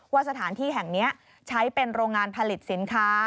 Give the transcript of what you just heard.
สถานที่แห่งนี้ใช้เป็นโรงงานผลิตสินค้า